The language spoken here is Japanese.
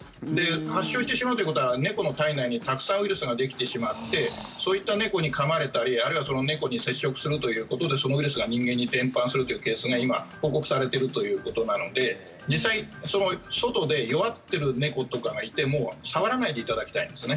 発症してしまうということは猫の体内に、たくさんウイルスができてしまってそういった猫にかまれたりあるいはその猫に接触するということでそのウイルスが人間に伝播するというケースが今報告されているということなので実際、外で弱っている猫とかがいても触らないでいただきたいんですよね。